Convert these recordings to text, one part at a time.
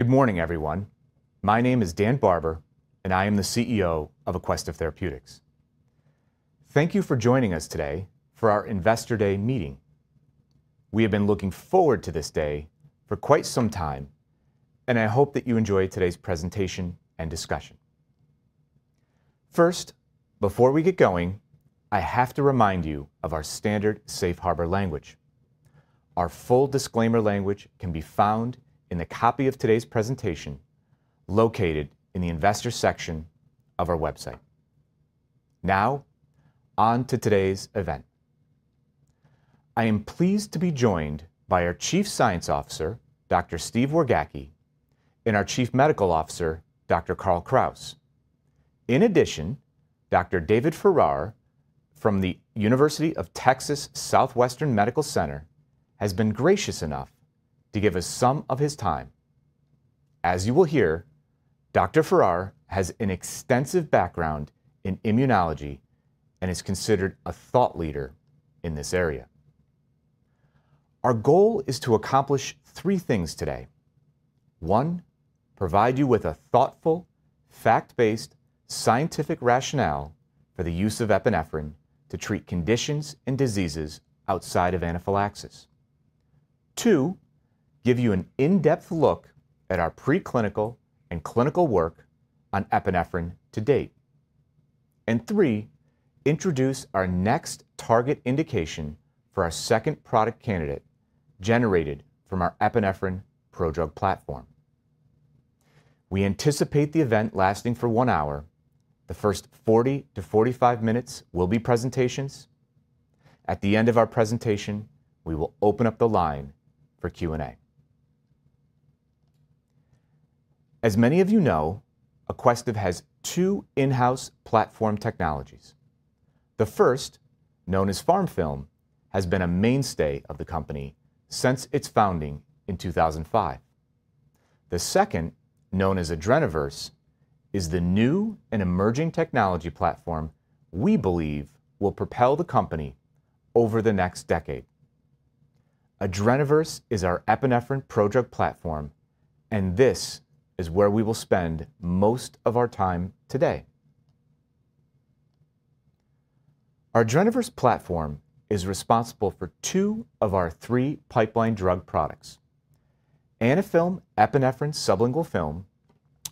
Good morning, everyone. My name is Dan Barber, and I am the CEO of Aquestive Therapeutics. Thank you for joining us today for our Investor Day meeting. We have been looking forward to this day for quite some time, and I hope that you enjoy today's presentation and discussion. First, before we get going, I have to remind you of our standard safe harbor language. Our full disclaimer language can be found in the copy of today's presentation, located in the Investors section of our website. Now, on to today's event. I am pleased to be joined by our Chief Science Officer, Dr. Steve Wargacki, and our Chief Medical Officer, Dr. Carl Kraus. In addition, Dr. David Farrar from the University of Texas Southwestern Medical Center, has been gracious enough to give us some of his time. As you will hear, Dr. Farrar has an extensive background in immunology and is considered a thought leader in this area. Our goal is to accomplish three things today. One, provide you with a thoughtful, fact-based, scientific rationale for the use of epinephrine to treat conditions and diseases outside of anaphylaxis. Two, give you an in-depth look at our preclinical and clinical work on epinephrine to date. And three, introduce our next target indication for our second product candidate generated from our epinephrine prodrug platform. We anticipate the event lasting for one hour. The first 40 to 45 minutes will be presentations. At the end of our presentation, we will open up the line for Q&A. As many of you know, Aquestive has two in-house platform technologies. The first, known as PharmFilm, has been a mainstay of the company since its founding in 2005. The second, known as Adrenoverse, is the new and emerging technology platform we believe will propel the company over the next decade. Adrenoverse is our epinephrine prodrug platform, and this is where we will spend most of our time today. Adrenoverse platform is responsible for two of our three pipeline drug products. Anaphylm epinephrine sublingual film,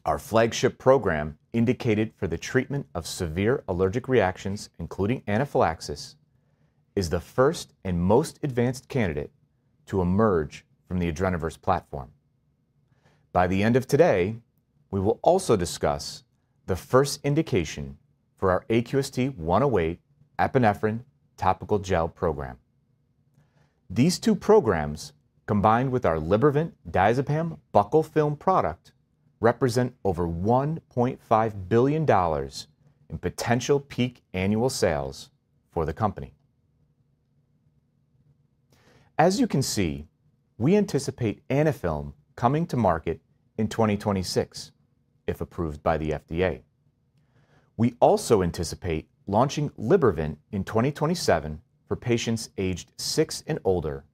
our flagship program indicated for the treatment of severe allergic reactions, including anaphylaxis, is the first and most advanced candidate to emerge from the Adrenoverse platform. By the end of today, we will also discuss the first indication for our AQST-108 epinephrine topical gel program. These two programs, combined with our Libervant diazepam buccal film product, represent over $1.5 billion in potential peak annual sales for the company. As you can see, we anticipate Anaphylm coming to market in 2026, if approved by the FDA. We also anticipate launching Libervant in 2027 for patients aged six and older,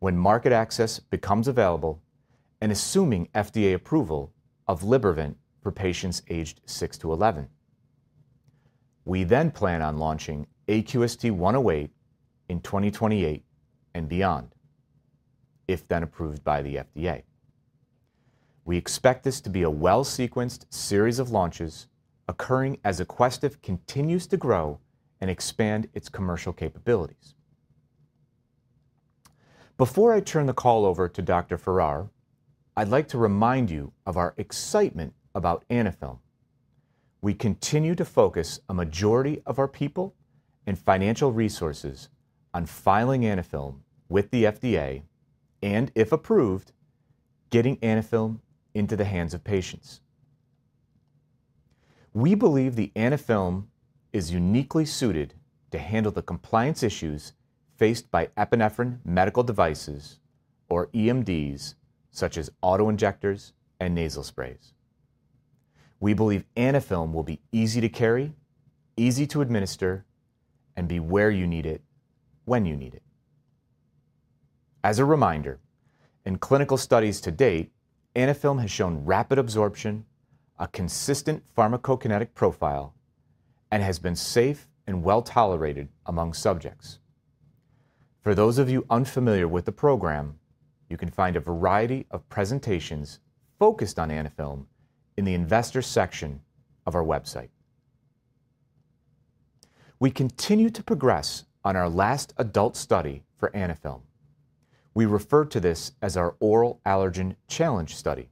when market access becomes available and assuming FDA approval of Libervant for patients aged six to eleven. We then plan on launching AQST-108 in 2028 and beyond, if then approved by the FDA. We expect this to be a well-sequenced series of launches occurring as Aquestive continues to grow and expand its commercial capabilities. Before I turn the call over to Dr. Farrar, I'd like to remind you of our excitement about Anaphylm. We continue to focus a majority of our people and financial resources on filing Anaphylm with the FDA, and if approved, getting Anaphylm into the hands of patients. We believe the Anaphylm is uniquely suited to handle the compliance issues faced by epinephrine medical devices or EMDs, such as auto-injectors and nasal sprays. We believe Anaphylm will be easy to carry, easy to administer, and be where you need it, when you need it. As a reminder, in clinical studies to date, Anaphylm has shown rapid absorption, a consistent pharmacokinetic profile, and has been safe and well-tolerated among subjects. For those of you unfamiliar with the program, you can find a variety of presentations focused on Anaphylm in the Investors section of our website. We continue to progress on our last adult study for Anaphylm. We refer to this as our oral allergen challenge study.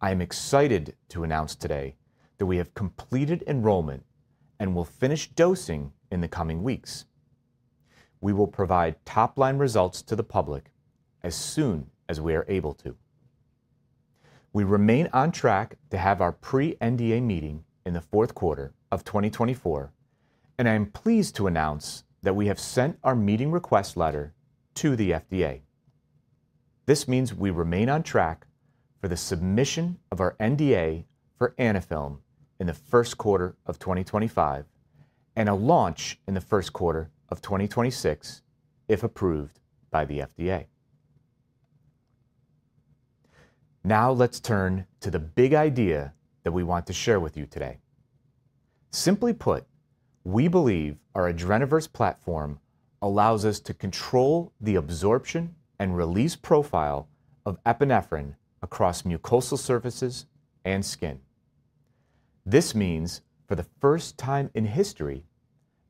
I am excited to announce today that we have completed enrollment and will finish dosing in the coming weeks. We will provide top-line results to the public as soon as we are able to. We remain on track to have our pre-NDA meeting in the fourth quarter of twenty twenty-four, and I am pleased to announce that we have sent our meeting request letter to the FDA. This means we remain on track for the submission of our NDA for Anaphylm in the first quarter of twenty twenty-five, and a launch in the first quarter of twenty twenty-six, if approved by the FDA. Now, let's turn to the big idea that we want to share with you today. Simply put, we believe our Adrenoverse platform allows us to control the absorption and release profile of epinephrine across mucosal surfaces and skin. This means, for the first time in history,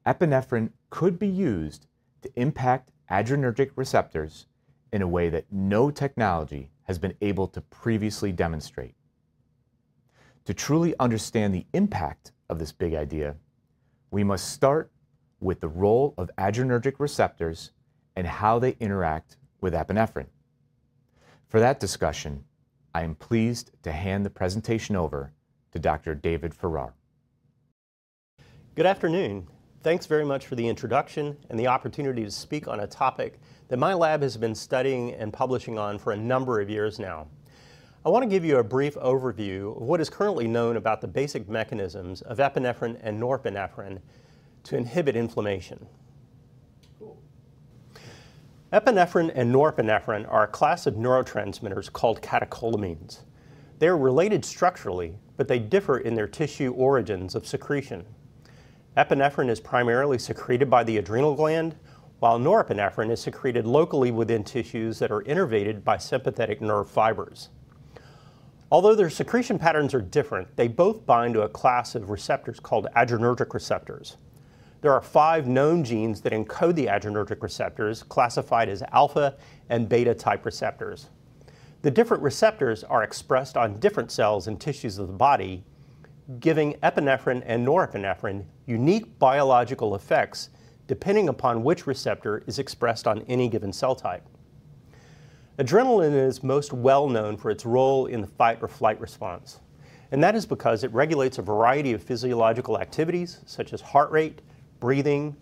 epinephrine could be used to impact adrenergic receptors in a way that no technology has been able to previously demonstrate. To truly understand the impact of this big idea, we must start with the role of adrenergic receptors and how they interact with epinephrine. For that discussion, I am pleased to hand the presentation over to Dr. David Farrar. Good afternoon. Thanks very much for the introduction and the opportunity to speak on a topic that my lab has been studying and publishing on for a number of years now. I want to give you a brief overview of what is currently known about the basic mechanisms of epinephrine and norepinephrine to inhibit inflammation. Epinephrine and norepinephrine are a class of neurotransmitters called catecholamines. They're related structurally, but they differ in their tissue origins of secretion. Epinephrine is primarily secreted by the adrenal gland, while norepinephrine is secreted locally within tissues that are innervated by sympathetic nerve fibers. Although their secretion patterns are different, they both bind to a class of receptors called adrenergic receptors. There are five known genes that encode the adrenergic receptors, classified as alpha and beta-type receptors. The different receptors are expressed on different cells and tissues of the body, giving epinephrine and norepinephrine unique biological effects, depending upon which receptor is expressed on any given cell type. Adrenaline is most well known for its role in the fight or flight response, and that is because it regulates a variety of physiological activities, such as heart rate, breathing,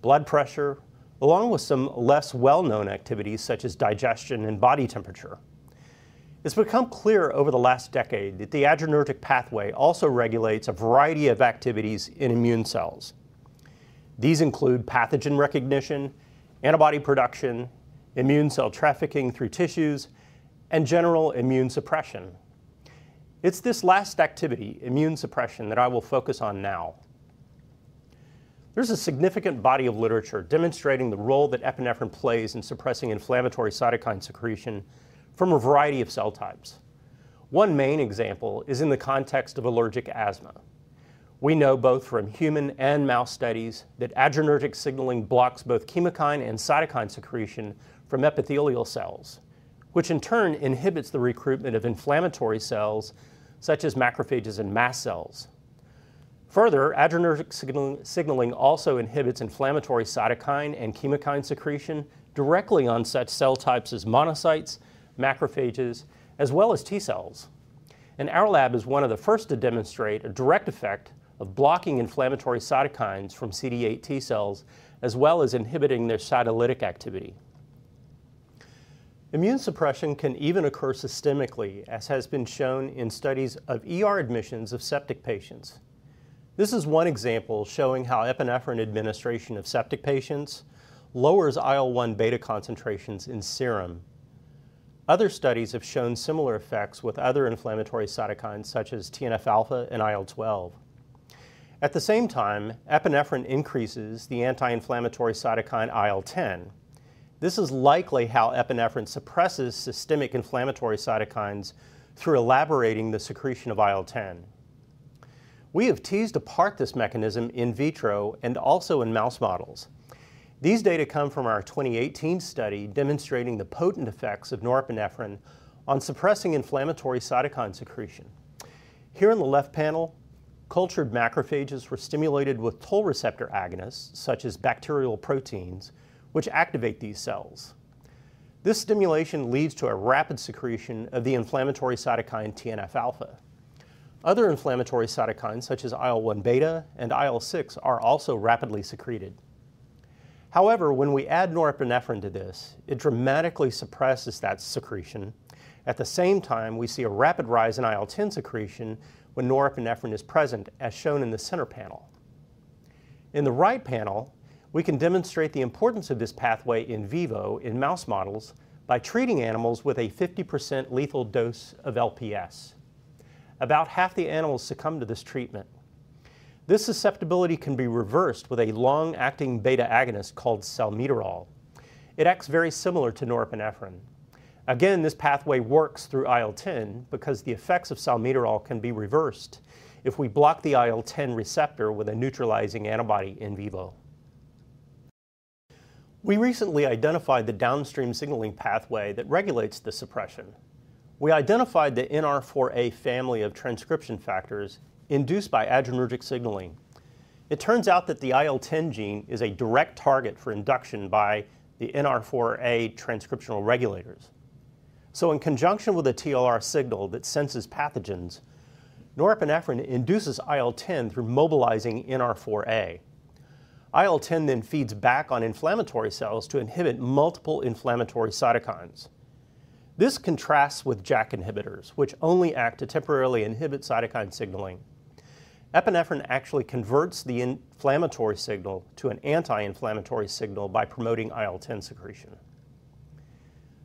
blood pressure, along with some less well-known activities, such as digestion and body temperature. It's become clear over the last decade that the adrenergic pathway also regulates a variety of activities in immune cells. These include pathogen recognition, antibody production, immune cell trafficking through tissues, and general immune suppression. It's this last activity, immune suppression, that I will focus on now. There's a significant body of literature demonstrating the role that epinephrine plays in suppressing inflammatory cytokine secretion from a variety of cell types. One main example is in the context of allergic asthma. We know both from human and mouse studies that adrenergic signaling blocks both chemokine and cytokine secretion from epithelial cells, which in turn inhibits the recruitment of inflammatory cells such as macrophages and mast cells. Further, adrenergic signaling also inhibits inflammatory cytokine and chemokine secretion directly on such cell types as monocytes, macrophages, as well as T cells. And our lab is one of the first to demonstrate a direct effect of blocking inflammatory cytokines from CD8 T cells, as well as inhibiting their cytolytic activity. Immune suppression can even occur systemically, as has been shown in studies of ER admissions of septic patients. This is one example showing how epinephrine administration of septic patients lowers IL-1 beta concentrations in serum. Other studies have shown similar effects with other inflammatory cytokines, such as TNF alpha and IL-12. At the same time, epinephrine increases the anti-inflammatory cytokine IL-10. This is likely how epinephrine suppresses systemic inflammatory cytokines through elaborating the secretion of IL-10. We have teased apart this mechanism in vitro and also in mouse models. These data come from our 2018 study demonstrating the potent effects of norepinephrine on suppressing inflammatory cytokine secretion. Here in the left panel, cultured macrophages were stimulated with Toll-like receptor agonists, such as bacterial proteins, which activate these cells. This stimulation leads to a rapid secretion of the inflammatory cytokine TNF alpha. Other inflammatory cytokines, such as IL-1 beta and IL-6, are also rapidly secreted. However, when we add norepinephrine to this, it dramatically suppresses that secretion. At the same time, we see a rapid rise in IL-10 secretion when norepinephrine is present, as shown in the center panel. In the right panel, we can demonstrate the importance of this pathway in vivo in mouse models by treating animals with a 50% lethal dose of LPS. About half the animals succumb to this treatment. This susceptibility can be reversed with a long-acting beta agonist called salmeterol. It acts very similar to norepinephrine. Again, this pathway works through IL-10 because the effects of salmeterol can be reversed if we block the IL-10 receptor with a neutralizing antibody in vivo. We recently identified the downstream signaling pathway that regulates this suppression. We identified the NR4A family of transcription factors induced by adrenergic signaling. It turns out that the IL-10 gene is a direct target for induction by the NR4A transcriptional regulators. So in conjunction with a TLR signal that senses pathogens, norepinephrine induces IL-10 through mobilizing NR4A. IL-10 then feeds back on inflammatory cells to inhibit multiple inflammatory cytokines.... This contrasts with JAK inhibitors, which only act to temporarily inhibit cytokine signaling. Epinephrine actually converts the inflammatory signal to an anti-inflammatory signal by promoting IL-10 secretion.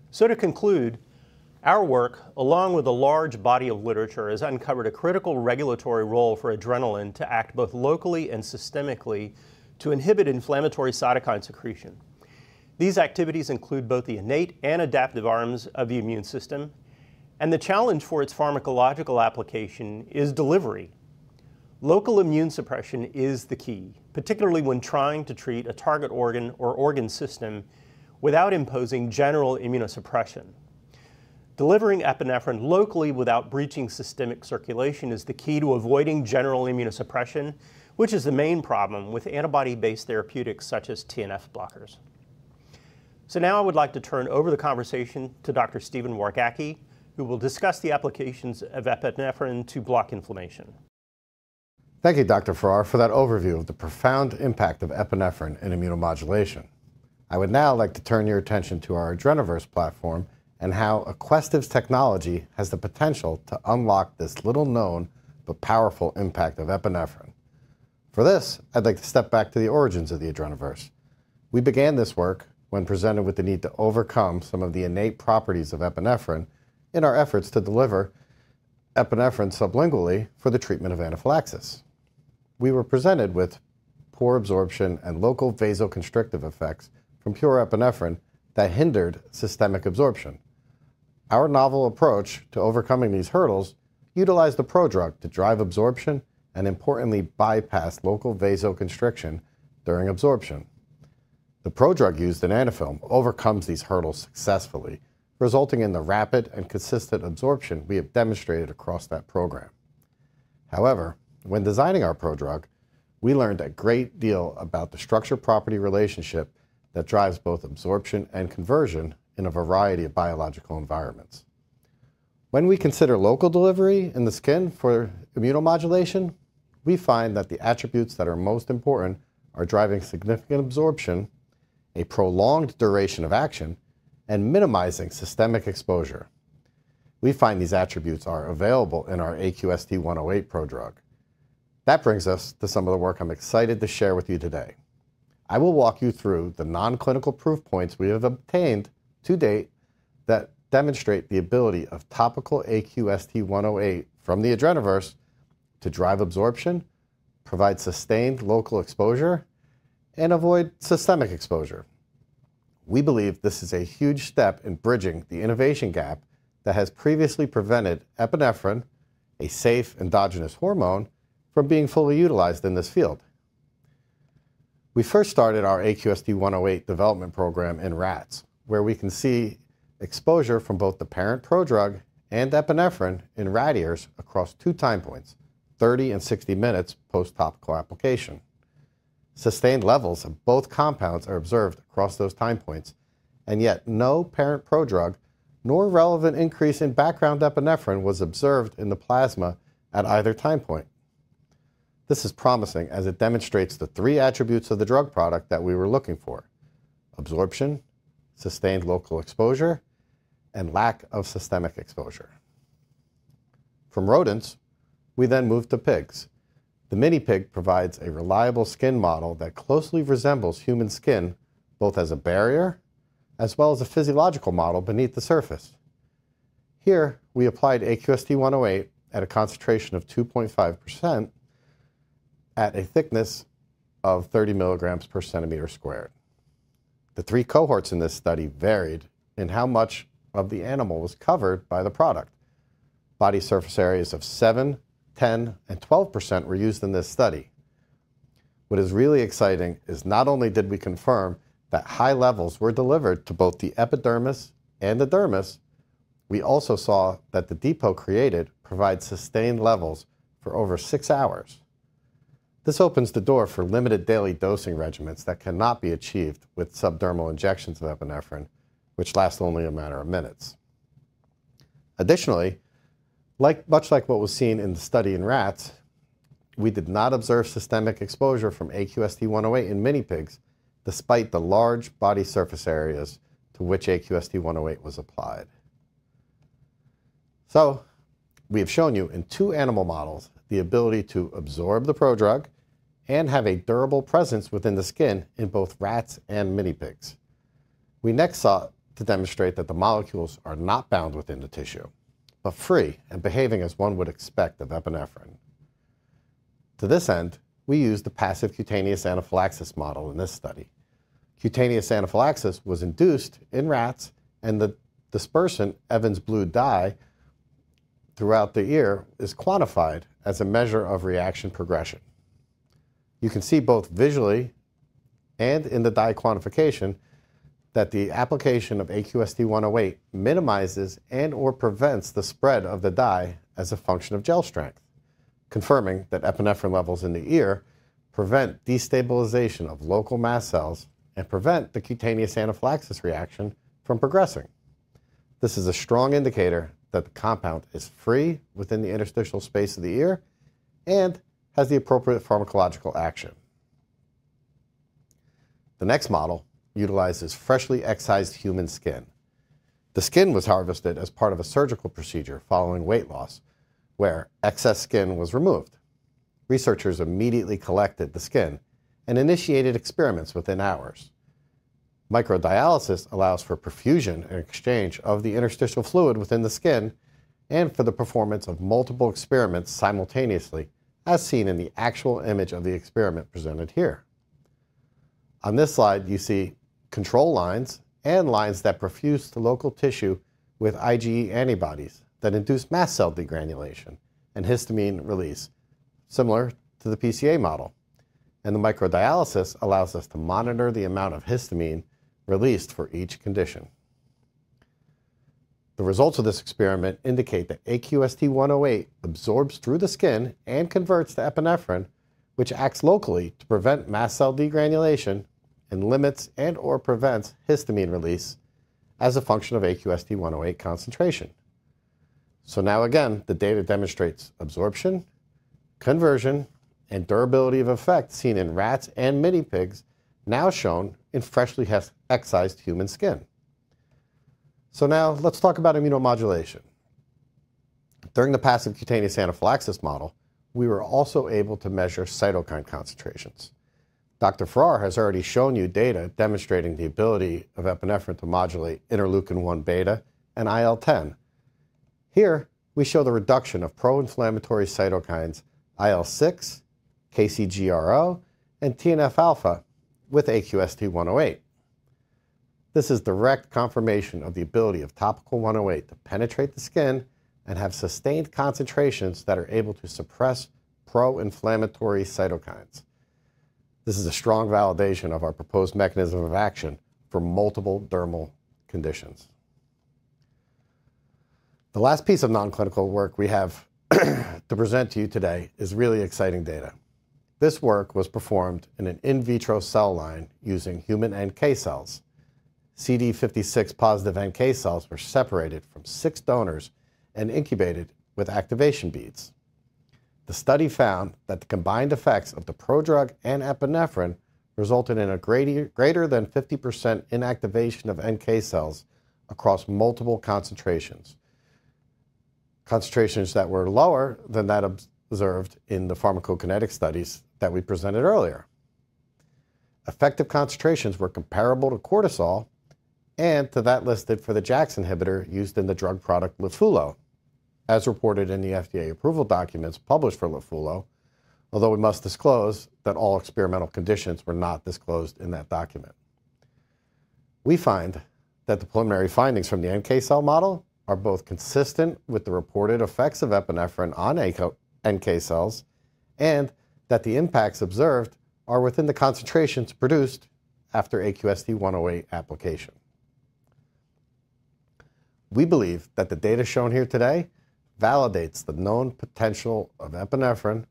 So to conclude, our work, along with a large body of literature, has uncovered a critical regulatory role for adrenaline to act both locally and systemically to inhibit inflammatory cytokine secretion. These activities include both the innate and adaptive arms of the immune system, and the challenge for its pharmacological application is delivery. Local immune suppression is the key, particularly when trying to treat a target organ or organ system without imposing general immunosuppression. Delivering epinephrine locally without breaching systemic circulation is the key to avoiding general immunosuppression, which is the main problem with antibody-based therapeutics such as TNF blockers. So now I would like to turn over the conversation to Dr. Stephen Wargacki, who will discuss the applications of epinephrine to block inflammation. Thank you, Dr. Farrar, for that overview of the profound impact of epinephrine in immunomodulation. I would now like to turn your attention to our Adrenoverse platform and how Aquestive's technology has the potential to unlock this little-known but powerful impact of epinephrine. For this, I'd like to step back to the origins of the Adrenoverse. We began this work when presented with the need to overcome some of the innate properties of epinephrine in our efforts to deliver epinephrine sublingually for the treatment of anaphylaxis. We were presented with poor absorption and local vasoconstrictive effects from pure epinephrine that hindered systemic absorption. Our novel approach to overcoming these hurdles utilized a prodrug to drive absorption and importantly, bypass local vasoconstriction during absorption. The prodrug used in Anaphylm overcomes these hurdles successfully, resulting in the rapid and consistent absorption we have demonstrated across that program. However, when designing our prodrug, we learned a great deal about the structure property relationship that drives both absorption and conversion in a variety of biological environments. When we consider local delivery in the skin for immunomodulation, we find that the attributes that are most important are driving significant absorption, a prolonged duration of action, and minimizing systemic exposure. We find these attributes are available in our AQST-108 prodrug. That brings us to some of the work I'm excited to share with you today. I will walk you through the non-clinical proof points we have obtained to date that demonstrate the ability of topical AQST-108 from the Adrenoverse to drive absorption, provide sustained local exposure, and avoid systemic exposure. We believe this is a huge step in bridging the innovation gap that has previously prevented epinephrine, a safe endogenous hormone, from being fully utilized in this field. We first started our AQST-108 development program in rats, where we can see exposure from both the parent prodrug and epinephrine in rat ears across two time points, 30 and 60 minutes post-topical application. Sustained levels of both compounds are observed across those time points, and yet no parent prodrug nor relevant increase in background epinephrine was observed in the plasma at either time point. This is promising as it demonstrates the three attributes of the drug product that we were looking for: absorption, sustained local exposure, and lack of systemic exposure. From rodents, we then moved to pigs. The mini pig provides a reliable skin model that closely resembles human skin, both as a barrier as well as a physiological model beneath the surface. Here, we applied AQST-108 at a concentration of 2.5% at a thickness of 30 milligrams per centimeter squared. The three cohorts in this study varied in how much of the animal was covered by the product. Body surface areas of seven, 10, and 12% were used in this study. What is really exciting is not only did we confirm that high levels were delivered to both the epidermis and the dermis, we also saw that the depot created provides sustained levels for over six hours. This opens the door for limited daily dosing regimens that cannot be achieved with subdermal injections of epinephrine, which last only a matter of minutes. Additionally, like, much like what was seen in the study in rats, we did not observe systemic exposure from AQST-108 in mini pigs, despite the large body surface areas to which AQST-108 was applied. So we have shown you in two animal models the ability to absorb the prodrug and have a durable presence within the skin in both rats and mini pigs. We next sought to demonstrate that the molecules are not bound within the tissue, but free and behaving as one would expect of epinephrine. To this end, we used the passive cutaneous anaphylaxis model in this study. Cutaneous anaphylaxis was induced in rats, and the dispersion of Evans blue dye throughout the ear is quantified as a measure of reaction progression. You can see both visually and in the dye quantification that the application of AQST-108 minimizes and/or prevents the spread of the dye as a function of gel strength, confirming that epinephrine levels in the ear prevent destabilization of local mast cells and prevent the cutaneous anaphylaxis reaction from progressing. This is a strong indicator that the compound is free within the interstitial space of the ear and has the appropriate pharmacological action. The next model utilizes freshly excised human skin. The skin was harvested as part of a surgical procedure following weight loss, where excess skin was removed. Researchers immediately collected the skin and initiated experiments within hours. Microdialysis allows for perfusion and exchange of the interstitial fluid within the skin and for the performance of multiple experiments simultaneously, as seen in the actual image of the experiment presented here. On this slide, you see control lines and lines that perfuse the local tissue with IgE antibodies that induce mast cell degranulation and histamine release, similar to the PCA model, and the microdialysis allows us to monitor the amount of histamine released for each condition. The results of this experiment indicate that AQST-108 absorbs through the skin and converts to epinephrine, which acts locally to prevent mast cell degranulation and limits and/or prevents histamine release as a function of AQST-108 concentration. So now again, the data demonstrates absorption, conversion, and durability of effect seen in rats and minipigs, now shown in freshly excised human skin. So now let's talk about immunomodulation. During the passive cutaneous anaphylaxis model, we were also able to measure cytokine concentrations. Dr. Farrar has already shown you data demonstrating the ability of epinephrine to modulate interleukin-1 beta and IL-10. Here, we show the reduction of pro-inflammatory cytokines, IL-6, KC/GRO, and TNF alpha with AQST-108. This is direct confirmation of the ability of topical-108 to penetrate the skin and have sustained concentrations that are able to suppress pro-inflammatory cytokines. This is a strong validation of our proposed mechanism of action for multiple dermal conditions. The last piece of non-clinical work we have to present to you today is really exciting data. This work was performed in an in vitro cell line using human NK cells. CD56 positive NK cells were separated from six donors and incubated with activation beads. The study found that the combined effects of the prodrug and epinephrine resulted in a greater than 50% inactivation of NK cells across multiple concentrations, concentrations that were lower than that observed in the pharmacokinetic studies that we presented earlier. Effective concentrations were comparable to cortisol and to that listed for the JAK inhibitor used in the drug product Litfulo, as reported in the FDA approval documents published for Litfulo, although we must disclose that all experimental conditions were not disclosed in that document. We find that the preliminary findings from the NK cell model are both consistent with the reported effects of epinephrine on NK cells, and that the impacts observed are within the concentrations produced after AQST-108 application. We believe that the data shown here today validates the known potential of epinephrine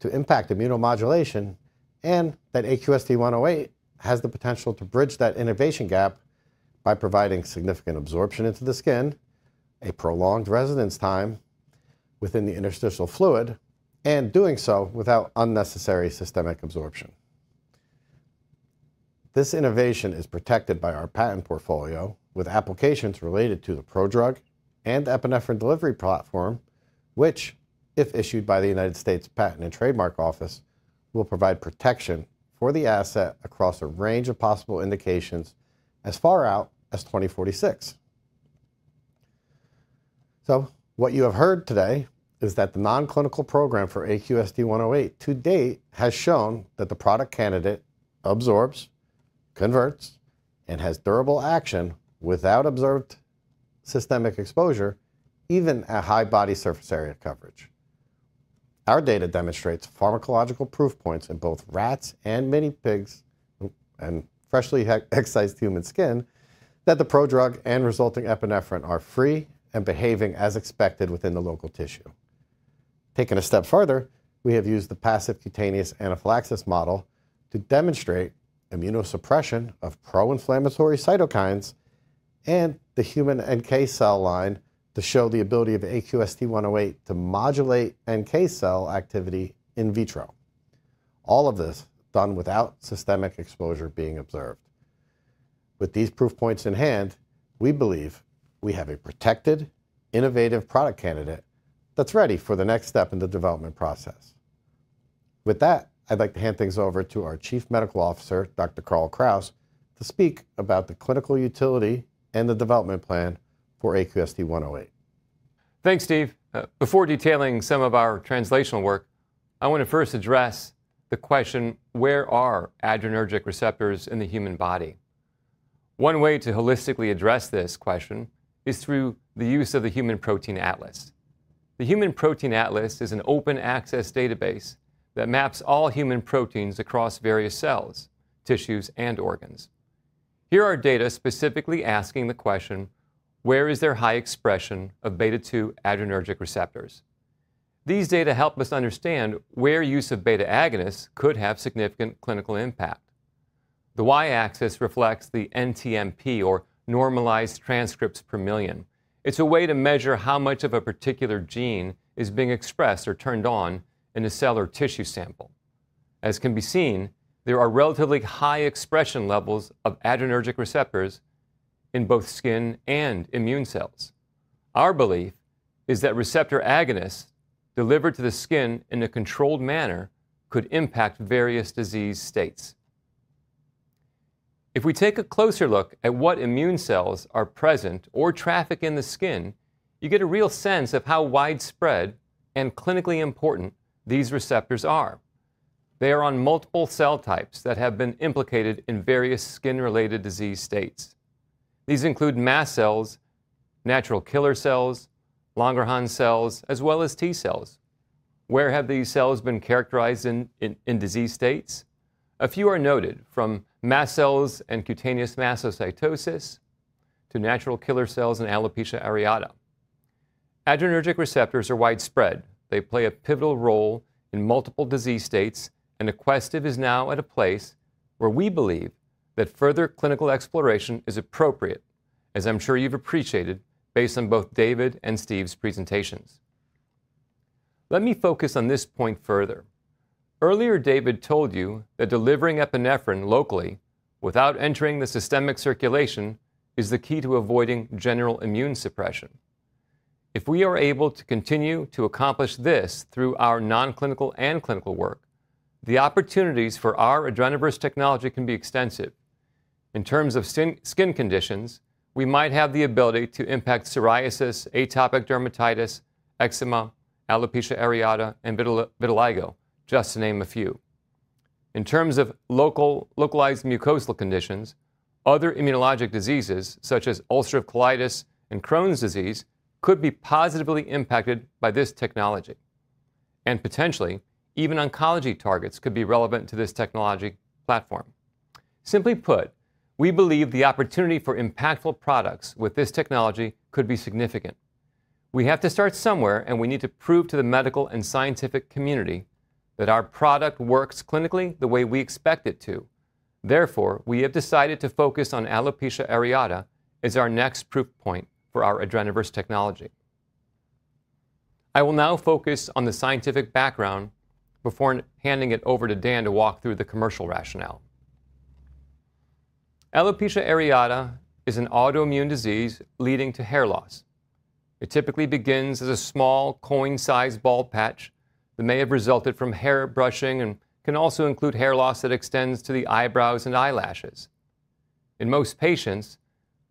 to impact immunomodulation and that AQST-108 has the potential to bridge that innovation gap by providing significant absorption into the skin, a prolonged residence time within the interstitial fluid, and doing so without unnecessary systemic absorption. This innovation is protected by our patent portfolio, with applications related to the prodrug and epinephrine delivery platform, which, if issued by the United States Patent and Trademark Office, will provide protection for the asset across a range of possible indications as far out as twenty forty-six. So what you have heard today is that the non-clinical program for AQST-108 to date has shown that the product candidate absorbs, converts, and has durable action without observed systemic exposure, even at high body surface area coverage. Our data demonstrates pharmacological proof points in both rats and minipigs and freshly excised human skin, that the prodrug and resulting epinephrine are free and behaving as expected within the local tissue. Taking a step further, we have used the passive cutaneous anaphylaxis model to demonstrate immunosuppression of pro-inflammatory cytokines and the human NK cell line to show the ability of AQST-108 to modulate NK cell activity in vitro. All of this done without systemic exposure being observed. With these proof points in hand, we believe we have a protected, innovative product candidate that's ready for the next step in the development process. With that, I'd like to hand things over to our Chief Medical Officer, Dr. Carl Kraus, to speak about the clinical utility and the development plan for AQST-108. Thanks, Steve. Before detailing some of our translational work, I want to first address the question: Where are adrenergic receptors in the human body? One way to holistically address this question is through the use of the Human Protein Atlas. The Human Protein Atlas is an open-access database that maps all human proteins across various cells, tissues, and organs. Here are data specifically asking the question, where is there high expression of beta-two adrenergic receptors? These data help us understand where use of beta agonists could have significant clinical impact. The Y-axis reflects the NTMP, or normalized transcripts per million.... It's a way to measure how much of a particular gene is being expressed or turned on in a cell or tissue sample. As can be seen, there are relatively high expression levels of adrenergic receptors in both skin and immune cells. Our belief is that receptor agonists delivered to the skin in a controlled manner could impact various disease states. If we take a closer look at what immune cells are present or traffic in the skin, you get a real sense of how widespread and clinically important these receptors are. They are on multiple cell types that have been implicated in various skin-related disease states. These include mast cells, natural killer cells, Langerhans cells, as well as T cells. Where have these cells been characterized in disease states? A few are noted, from mast cells and cutaneous mastocytosis to natural killer cells in alopecia areata. Adrenergic receptors are widespread. They play a pivotal role in multiple disease states, and Aquestive is now at a place where we believe that further clinical exploration is appropriate, as I'm sure you've appreciated, based on both David and Steve's presentations. Let me focus on this point further. Earlier, David told you that delivering epinephrine locally without entering the systemic circulation is the key to avoiding general immune suppression. If we are able to continue to accomplish this through our non-clinical and clinical work, the opportunities for our Adrenoverse technology can be extensive. In terms of skin, skin conditions, we might have the ability to impact psoriasis, atopic dermatitis, eczema, alopecia areata, and vitiligo, just to name a few. In terms of localized mucosal conditions, other immunologic diseases, such as ulcerative colitis and Crohn's disease, could be positively impacted by this technology. Potentially, even oncology targets could be relevant to this technology platform. Simply put, we believe the opportunity for impactful products with this technology could be significant. We have to start somewhere, and we need to prove to the medical and scientific community that our product works clinically the way we expect it to. Therefore, we have decided to focus on alopecia areata as our next proof point for our Adrenoverse technology. I will now focus on the scientific background before handing it over to Dan to walk through the commercial rationale. Alopecia areata is an autoimmune disease leading to hair loss. It typically begins as a small, coin-sized bald patch that may have resulted from hair brushing and can also include hair loss that extends to the eyebrows and eyelashes. In most patients,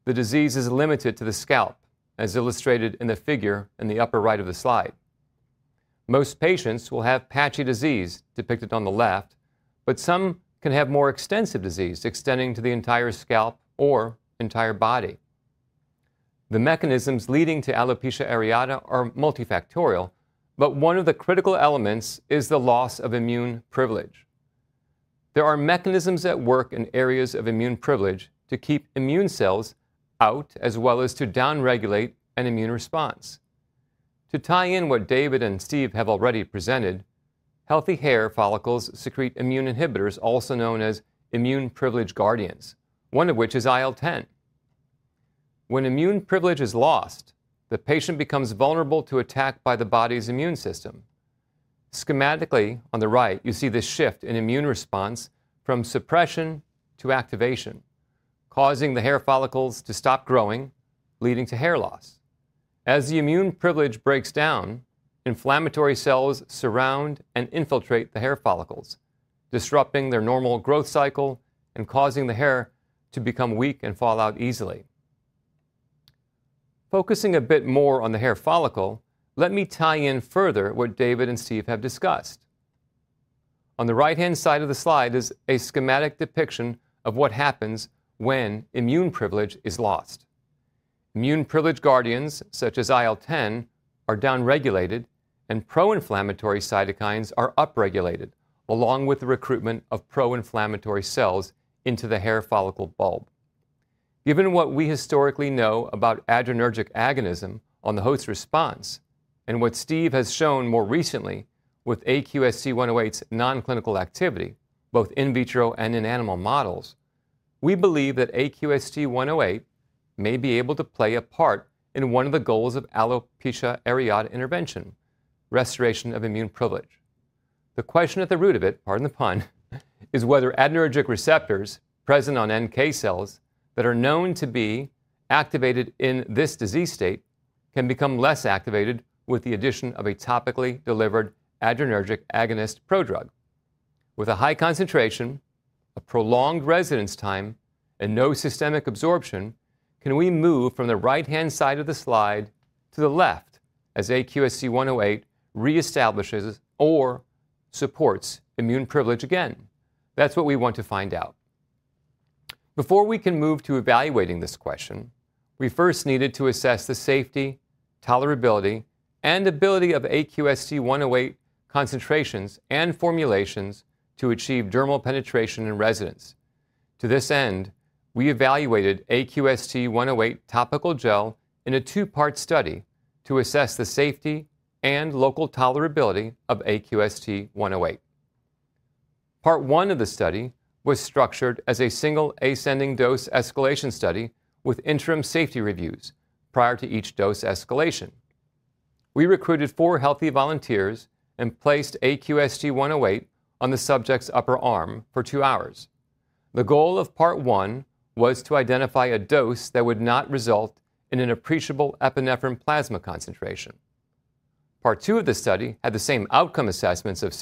the disease is limited to the scalp, as illustrated in the figure in the upper right of the slide. Most patients will have patchy disease depicted on the left, but some can have more extensive disease extending to the entire scalp or entire body. The mechanisms leading to alopecia areata are multifactorial, but one of the critical elements is the loss of immune privilege. There are mechanisms at work in areas of immune privilege to keep immune cells out, as well as to downregulate an immune response. To tie in what David and Steve have already presented, healthy hair follicles secrete immune inhibitors, also known as immune privilege guardians, one of which is IL-10. When immune privilege is lost, the patient becomes vulnerable to attack by the body's immune system. Schematically, on the right, you see this shift in immune response from suppression to activation, causing the hair follicles to stop growing, leading to hair loss. As the immune privilege breaks down, inflammatory cells surround and infiltrate the hair follicles, disrupting their normal growth cycle and causing the hair to become weak and fall out easily. Focusing a bit more on the hair follicle, let me tie in further what David and Steve have discussed. On the right-hand side of the slide is a schematic depiction of what happens when immune privilege is lost. Immune privilege guardians, such as IL-10, are downregulated and pro-inflammatory cytokines are upregulated, along with the recruitment of pro-inflammatory cells into the hair follicle bulb. Given what we historically know about adrenergic agonism on the host response and what Steve has shown more recently with AQST-108's non-clinical activity, both in vitro and in animal models, we believe that AQST-108 may be able to play a part in one of the goals of alopecia areata intervention, restoration of immune privilege. The question at the root of it, pardon the pun, is whether adrenergic receptors present on NK cells that are known to be activated in this disease state can become less activated with the addition of a topically delivered adrenergic agonist prodrug. With a high concentration, a prolonged residence time, and no systemic absorption, can we move from the right-hand side of the slide to the left, as AQST-108 reestablishes or supports immune privilege again? That's what we want to find out. Before we can move to evaluating this question, we first needed to assess the safety, tolerability, and ability of AQST-108 concentrations and formulations to achieve dermal penetration and residence. To this end, we evaluated AQST-108 topical gel in a two-part study to assess the safety and local tolerability of AQST-108. Part one of the study was structured as a single ascending dose escalation study with interim safety reviews prior to each dose escalation. We recruited four healthy volunteers and placed AQST-108 on the subject's upper arm for two hours. The goal of part one was to identify a dose that would not result in an appreciable epinephrine plasma concentration. Part two of the study had the same outcome assessments of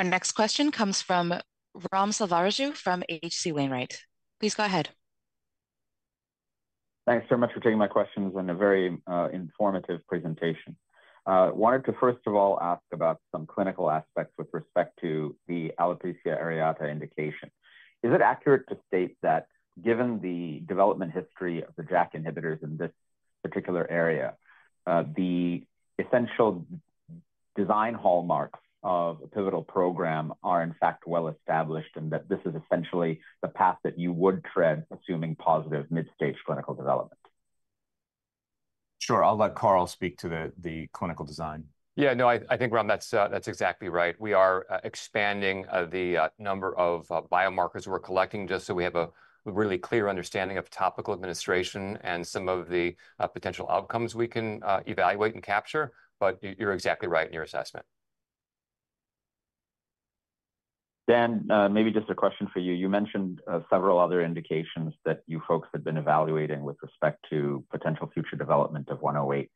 Our next question comes from Ram Selvaraju from H.C. Wainwright. Please go ahead. Thanks so much for taking my questions, and a very informative presentation. Wanted to, first of all, ask about some clinical aspects with respect to the alopecia areata indication. Is it accurate to state that, given the development history of the JAK inhibitors in this particular area, the essential design hallmarks of a pivotal program are, in fact, well-established, and that this is essentially the path that you would tread, assuming positive mid-stage clinical development? Sure. I'll let Carl speak to the clinical design. Yeah, no, I think, Ram, that's exactly right. We are expanding the number of biomarkers we're collecting just so we have a really clear understanding of topical administration and some of the potential outcomes we can evaluate and capture. But you, you're exactly right in your assessment. Dan, maybe just a question for you. You mentioned several other indications that you folks had been evaluating with respect to potential future development of 108.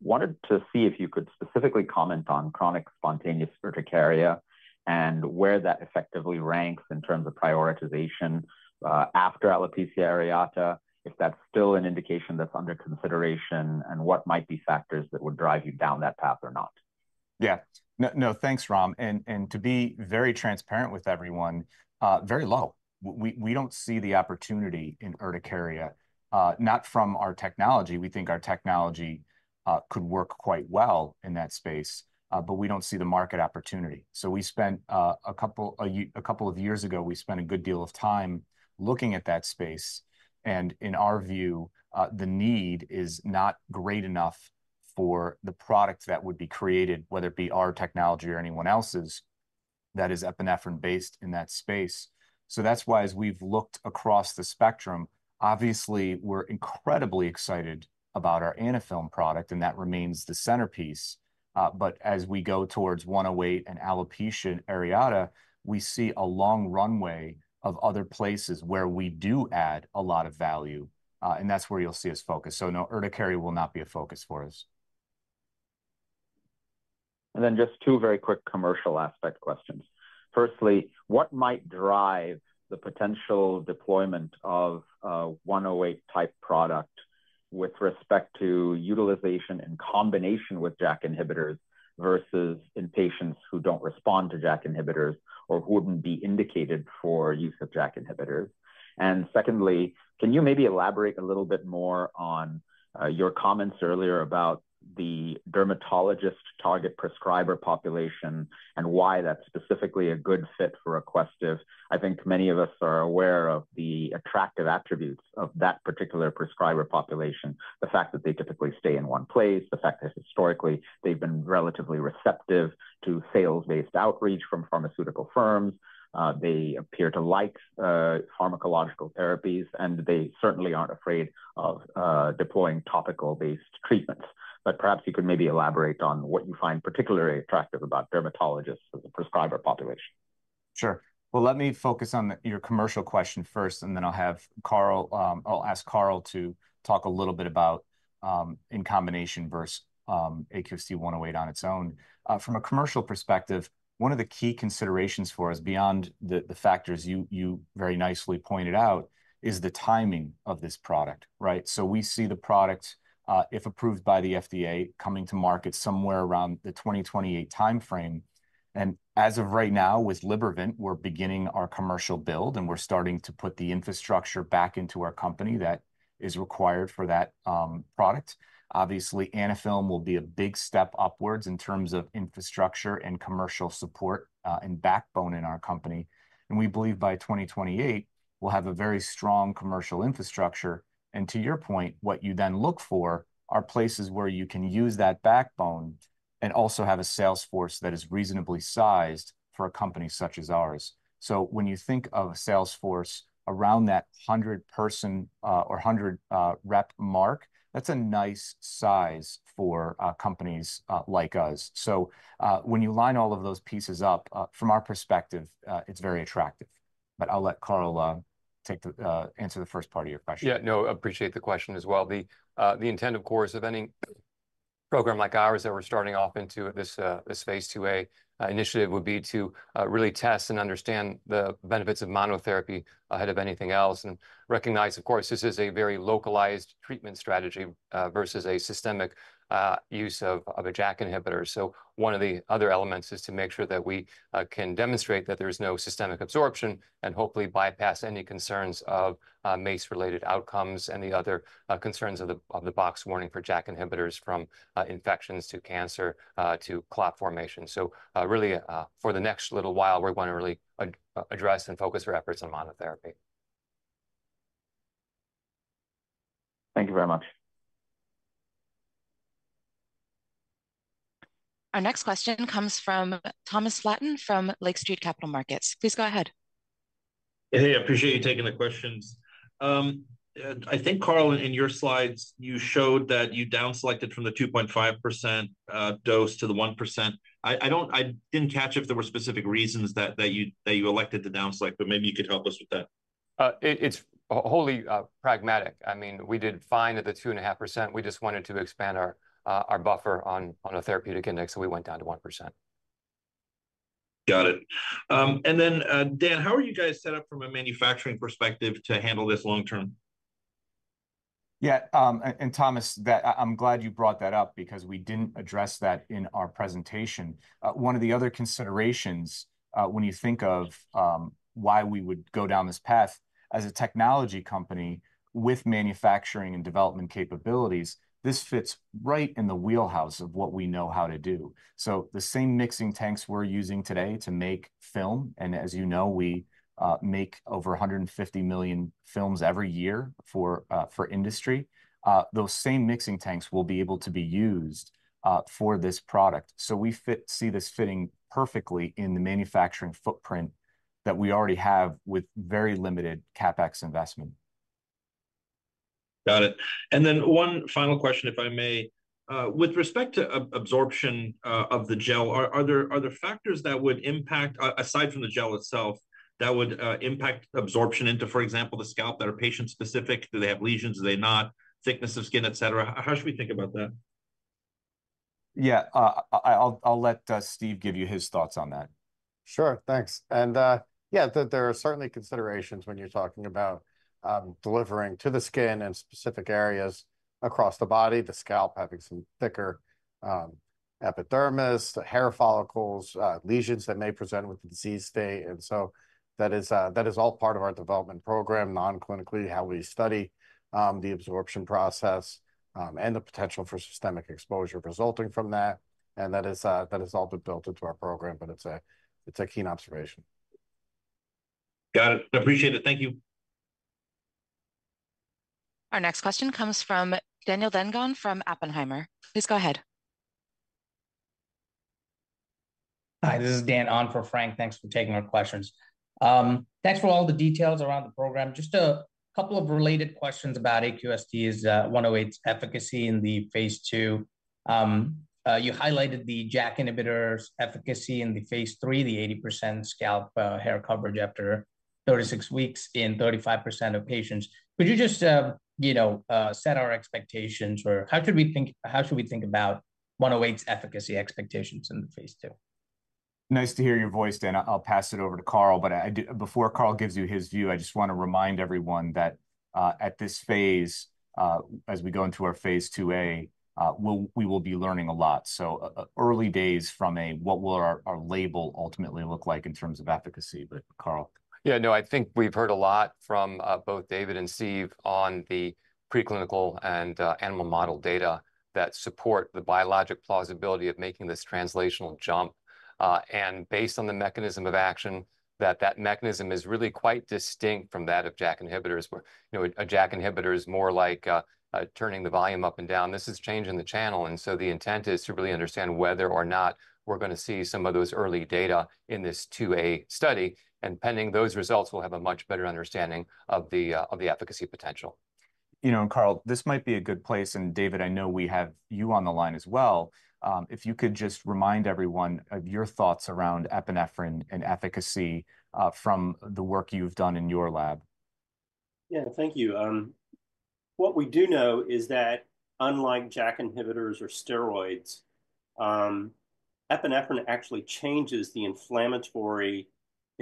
Wanted to see if you could specifically comment on chronic spontaneous urticaria, and where that effectively ranks in terms of prioritization after alopecia areata, if that's still an indication that's under consideration, and what might be factors that would drive you down that path or not. Yeah. No, no, thanks, Ram. And to be very transparent with everyone, very low. We don't see the opportunity in urticaria, not from our technology. We think our technology could work quite well in that space, but we don't see the market opportunity. So we spent a couple of years ago, we spent a good deal of time looking at that space, and in our view, the need is not great enough for the product that would be created, whether it be our technology or anyone else's, that is epinephrine-based in that space. So that's why, as we've looked across the spectrum, obviously, we're incredibly excited about our Anaphylm product, and that remains the centerpiece. But as we go towards 108 and alopecia areata, we see a long runway of other places where we do add a lot of value, and that's where you'll see us focus, so no, urticaria will not be a focus for us. And then just two very quick commercial aspect questions. Firstly, what might drive the potential deployment of an AQST-108-type product with respect to utilization in combination with JAK inhibitors versus in patients who don't respond to JAK inhibitors, or who wouldn't be indicated for use of JAK inhibitors? And secondly, can you maybe elaborate a little bit more on your comments earlier about the dermatologist target prescriber population, and why that's specifically a good fit for Aquestive? I think many of us are aware of the attractive attributes of that particular prescriber population. The fact that they typically stay in one place, the fact that historically they've been relatively receptive to sales-based outreach from pharmaceutical firms, they appear to like pharmacological therapies, and they certainly aren't afraid of deploying topical-based treatments. But perhaps you could maybe elaborate on what you find particularly attractive about dermatologists as a prescriber population. Sure. Well, let me focus on your commercial question first, and then I'll have Carl. I'll ask Carl to talk a little bit about in combination versus AQST-108 on its own. From a commercial perspective, one of the key considerations for us, beyond the factors you very nicely pointed out, is the timing of this product, right? So we see the product, if approved by the FDA, coming to market somewhere around the 2028 timeframe. And as of right now, with Libervant, we're beginning our commercial build, and we're starting to put the infrastructure back into our company that is required for that product. Obviously, Anaphylm will be a big step upwards in terms of infrastructure and commercial support and backbone in our company, and we believe by 2028, we'll have a very strong commercial infrastructure. And to your point, what you then look for are places where you can use that backbone and also have a sales force that is reasonably sized for a company such as ours. So when you think of a sales force around that 100-person or 100 rep mark, that's a nice size for companies like us. So, when you line all of those pieces up, from our perspective, it's very attractive. But I'll let Carl answer the first part of your question. Yeah, no, appreciate the question as well. The intent, of course, of any program like ours that we're starting off into this phase IIa initiative would be to really test and understand the benefits of monotherapy ahead of anything else, and recognize, of course, this is a very localized treatment strategy versus a systemic use of a JAK inhibitor. So one of the other elements is to make sure that we can demonstrate that there's no systemic absorption, and hopefully bypass any concerns of MACE-related outcomes and the other concerns of the black box warning for JAK inhibitors, from infections to cancer to clot formation. So really, for the next little while, we're gonna really address and focus our efforts on monotherapy. Thank you very much. Our next question comes from Thomas Flaten from Lake Street Capital Markets. Please go ahead. Hey, appreciate you taking the questions. I think, Carl, in your slides, you showed that you down-selected from the 2.5% dose to the 1%. I didn't catch if there were specific reasons that you elected to down-select, but maybe you could help us with that. It's wholly pragmatic. I mean, we did fine at the 2.5%. We just wanted to expand our buffer on a therapeutic index, so we went down to 1%. Got it. And then, Dan, how are you guys set up from a manufacturing perspective to handle this long-term? Yeah, and Thomas, that. I'm glad you brought that up, because we didn't address that in our presentation. One of the other considerations, when you think of why we would go down this path, as a technology company with manufacturing and development capabilities, this fits right in the wheelhouse of what we know how to do. So the same mixing tanks we're using today to make film, and as you know, we make over 150 million films every year for industry, those same mixing tanks will be able to be used for this product. So we see this fitting perfectly in the manufacturing footprint that we already have with very limited CapEx investment. Got it. And then one final question, if I may. With respect to absorption of the gel, are there factors that would impact, aside from the gel itself, absorption into, for example, the scalp, that are patient-specific? Do they have lesions, do they not, thickness of skin, et cetera. How should we think about that? Yeah, I'll let Steve give you his thoughts on that. Sure, thanks. And, yeah, there are certainly considerations when you're talking about delivering to the skin in specific areas across the body, the scalp having some thicker epidermis, the hair follicles, lesions that may present with the disease state. And so that is all part of our development program, non-clinically, how we study the absorption process, and the potential for systemic exposure resulting from that, and that has all been built into our program, but it's a keen observation. Got it. Appreciate it. Thank you. Our next question comes from Daniel Begg from Oppenheimer. Please go ahead. Hi, this is Dan on for Frank. Thanks for taking our questions. Thanks for all the details around the program. Just a couple of related questions about AQST-108's efficacy in the phase II. You highlighted the JAK inhibitor's efficacy in the phase III, the 80% scalp hair coverage after 36 weeks in 35% of patients. Could you just, you know, set our expectations, or how should we think about 108's efficacy expectations in the phase II? Nice to hear your voice, Dan. I'll pass it over to Carl, but before Carl gives you his view, I just wanna remind everyone that, at this phase, as we go into our phase IIa, we will be learning a lot. So, early days from a what will our label ultimately look like in terms of efficacy. But Carl? Yeah, no, I think we've heard a lot from both David and Steve on the preclinical and animal model data that support the biologic plausibility of making this translational jump. And based on the mechanism of action, that mechanism is really quite distinct from that of JAK inhibitors, where, you know, a JAK inhibitor is more like turning the volume up and down. This is changing the channel, and so the intent is to really understand whether or not we're gonna see some of those early data in this IIa study, and pending those results, we'll have a much better understanding of the efficacy potential. You know, Carl, this might be a good place, and David, I know we have you on the line as well, if you could just remind everyone of your thoughts around epinephrine and efficacy, from the work you've done in your lab. Yeah, thank you. What we do know is that unlike JAK inhibitors or steroids, epinephrine actually changes the inflammatory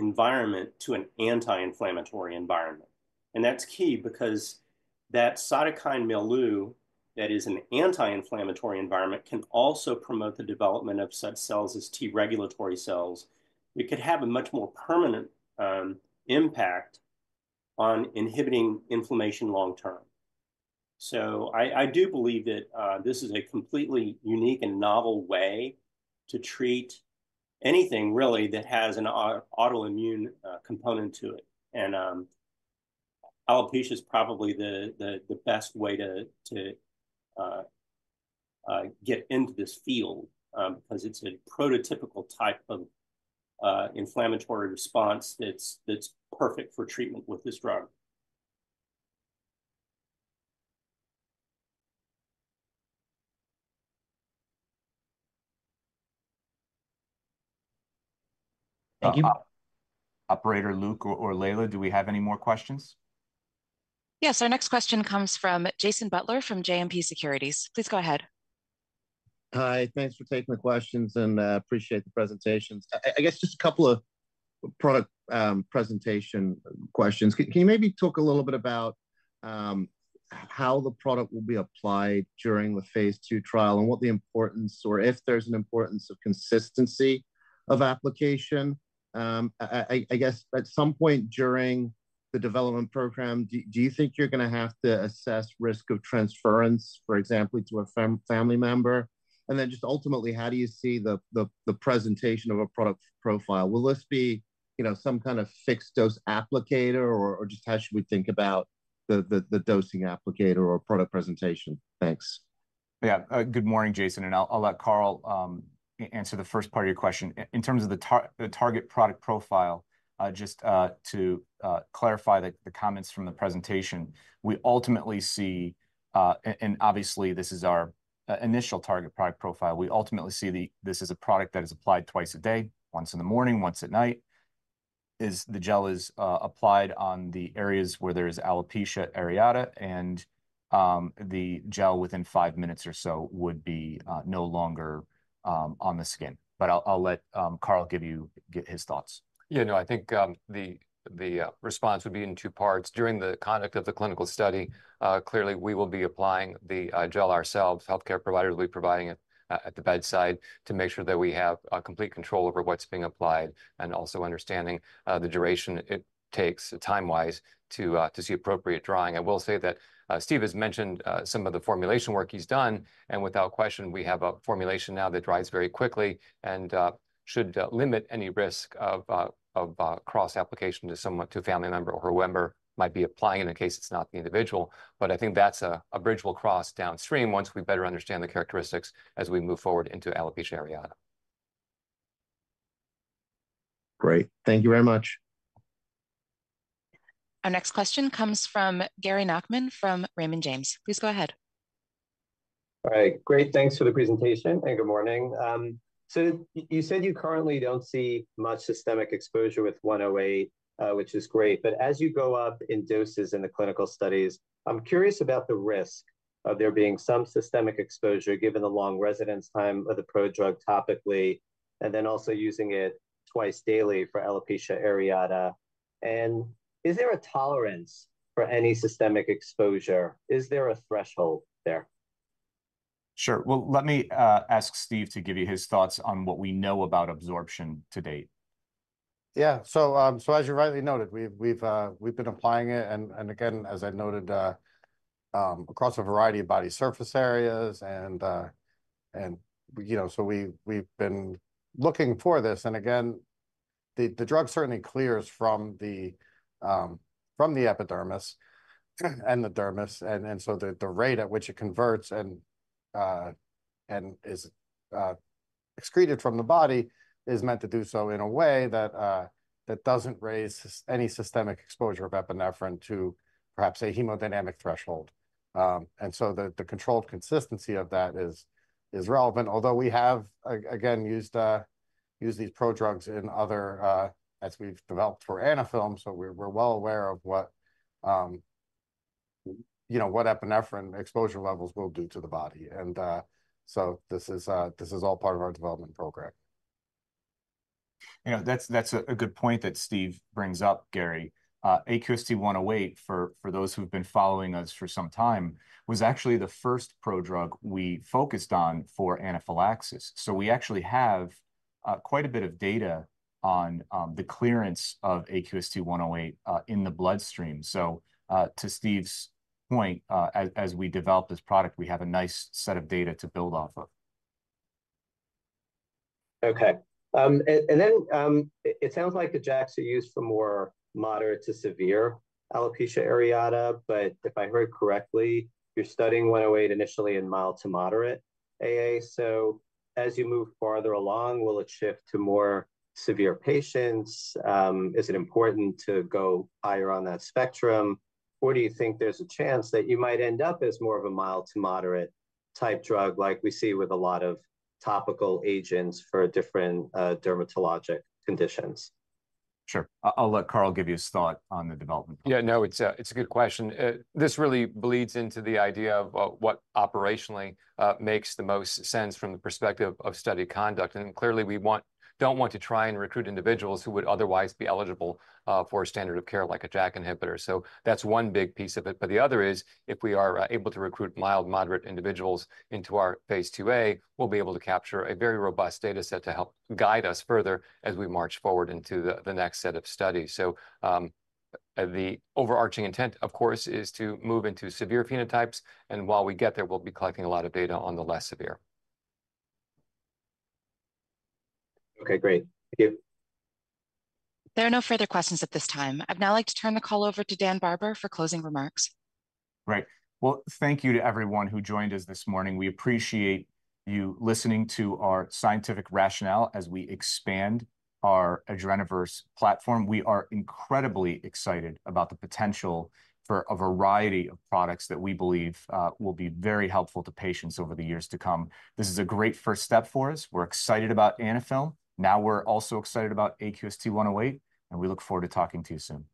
environment to an anti-inflammatory environment, and that's key, because that cytokine milieu-... that is an anti-inflammatory environment, can also promote the development of such cells as T regulatory cells. It could have a much more permanent impact on inhibiting inflammation long term. So I do believe that this is a completely unique and novel way to treat anything really that has an autoimmune component to it. And alopecia is probably the best way to get into this field, 'cause it's a prototypical type of inflammatory response that's perfect for treatment with this drug. Thank you. Operator Luke or Layla, do we have any more questions? Yes, our next question comes from Jason Butler from JMP Securities. Please go ahead. Hi, thanks for taking the questions, and appreciate the presentations. I guess just a couple of product presentation questions. Can you maybe talk a little bit about how the product will be applied during the phase 2 trial, and what the importance, or if there's an importance, of consistency of application? I guess, at some point during the development program, do you think you're gonna have to assess risk of transference, for example, to a family member? And then just ultimately, how do you see the presentation of a product profile? Will this be, you know, some kind of fixed-dose applicator, or just how should we think about the dosing applicator or product presentation? Thanks. Yeah. Good morning, Jason, and I'll let Carl answer the first part of your question. In terms of the target product profile, just to clarify the comments from the presentation, we ultimately see... And obviously, this is our initial target product profile. We ultimately see this as a product that is applied twice a day, once in the morning, once at night. As the gel is applied on the areas where there is alopecia areata, and the gel, within five minutes or so, would be no longer on the skin. But I'll let Carl give you his thoughts. Yeah, no, I think, the response would be in two parts. During the conduct of the clinical study, clearly we will be applying the gel ourselves. Healthcare providers will be providing it at the bedside to make sure that we have complete control over what's being applied, and also understanding the duration it takes, time-wise, to see appropriate drawing. I will say that Steve has mentioned some of the formulation work he's done, and without question, we have a formulation now that dries very quickly, and should limit any risk of cross-application to someone, to a family member or whoever might be applying in a case it's not the individual. But I think that's a bridge we'll cross downstream once we better understand the characteristics as we move forward into alopecia areata. Great. Thank you very much. Our next question comes from Gary Nachman from Raymond James. Please go ahead. All right. Great, thanks for the presentation, and good morning. So you said you currently don't see much systemic exposure with 108, which is great. But as you go up in doses in the clinical studies, I'm curious about the risk of there being some systemic exposure, given the long residence time of the prodrug topically, and then also using it twice daily for alopecia areata. And is there a tolerance for any systemic exposure? Is there a threshold there? Sure. Well, let me ask Steve to give you his thoughts on what we know about absorption to date. Yeah. So, so as you rightly noted, we've been applying it, and again, as I noted, across a variety of body surface areas. And, you know, so we've been looking for this, and again, the drug certainly clears from the epidermis and the dermis. And so the rate at which it converts and is excreted from the body is meant to do so in a way that doesn't raise any systemic exposure of epinephrine to perhaps a hemodynamic threshold. And so the controlled consistency of that is relevant. Although we have again used these prodrugs in other as we've developed for Anaphylm, so we're well aware of what, you know, what epinephrine exposure levels will do to the body. So this is all part of our development program. You know, that's a good point that Steve brings up, Gary. AQST-108, for those who've been following us for some time, was actually the first prodrug we focused on for anaphylaxis. So we actually have quite a bit of data on the clearance of AQST-108 in the bloodstream. So, to Steve's point, as we develop this product, we have a nice set of data to build off of. Okay. And then, it sounds like the JAKs are used for more moderate to severe alopecia areata, but if I heard correctly, you're studying 108 initially in mild to moderate AA. So as you move farther along, will it shift to more severe patients? Is it important to go higher on that spectrum, or do you think there's a chance that you might end up as more of a mild to moderate-type drug, like we see with a lot of topical agents for different dermatologic conditions? Sure. I'll let Carl give you his thought on the development. Yeah, no, it's a good question. This really bleeds into the idea of what operationally makes the most sense from the perspective of study conduct. And clearly, we want... don't want to try and recruit individuals who would otherwise be eligible for a standard of care, like a JAK inhibitor, so that's one big piece of it. But the other is, if we are able to recruit mild, moderate individuals into our phase 2a, we'll be able to capture a very robust data set to help guide us further as we march forward into the next set of studies. So, the overarching intent, of course, is to move into severe phenotypes, and while we get there, we'll be collecting a lot of data on the less severe. Okay, great. Thank you. There are no further questions at this time. I'd now like to turn the call over to Dan Barber for closing remarks. Right. Well, thank you to everyone who joined us this morning. We appreciate you listening to our scientific rationale as we expand our Adrenoverse platform. We are incredibly excited about the potential for a variety of products that we believe will be very helpful to patients over the years to come. This is a great first step for us. We're excited about Anaphylm. Now, we're also excited about AQST-108, and we look forward to talking to you soon.